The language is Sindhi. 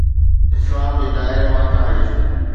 اسلام جي دائري مان خارج